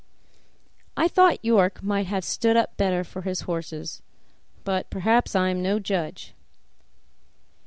I thought York might have stood up better for his horses, but perhaps I am no judge.